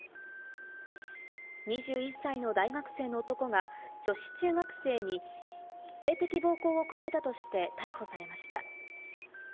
２１歳の大学生の男が女子中学生に性的暴行を加えたとして逮捕されました。